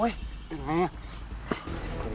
เป็นไง